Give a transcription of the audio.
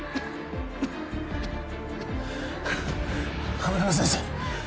天沼先生